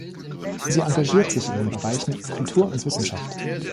Sie engagiert sich in den Bereichen Kultur und Wissenschaft.